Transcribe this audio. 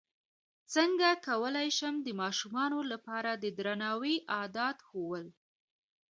څنګه کولی شم د ماشومانو لپاره د درناوي عادت ښوول